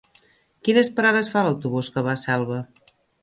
Quines parades fa l'autobús que va a Selva?